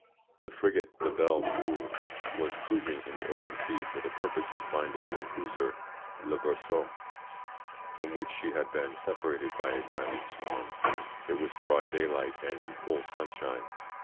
The frigate, the Belle Poule, was cruising in the open sea for the purpose of finding the cruiser Le Berceau, from which she had been separated by a violent storm. It was broad daylight and in full sunshine.